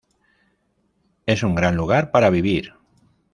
Es un gran lugar para vivir.